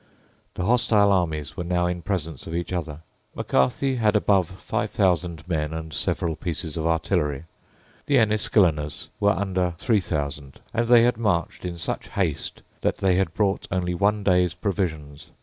The hostile armies were now in presence of each other. Macarthy had above five thousand men and several pieces of artillery. The Enniskilleners were under three thousand; and they had marched in such haste that they had brought only one day's provisions.